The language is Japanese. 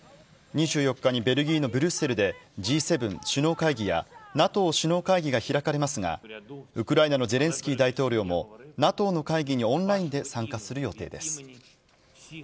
２４日ベルギーのブリュッセルで、Ｇ７首脳会議やＮＡＴＯ首脳会議が開かれますが、ウクライナのゼレンスキー大統領も、ＮＡＴＯの会議にオンラインで参加する予定です。